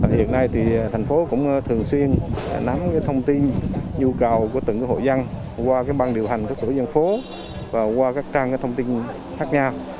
hiện nay thì thành phố cũng thường xuyên nắm cái thông tin nhu cầu của từng hội dân qua cái băng điều hành của tổ dân phố và qua các trang cái thông tin khác nhau